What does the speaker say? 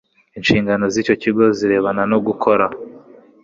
Inshingano z icyo kigo zirebana no gukora